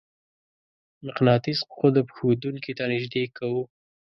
مقناطیس قطب ښودونکې ته نژدې کوو.